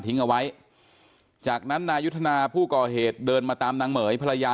เอาไว้จากนั้นนายุทธนาผู้ก่อเหตุเดินมาตามนางเหม๋ยภรรยา